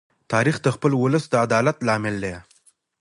تاریخ د خپل ولس د عدالت لامل دی.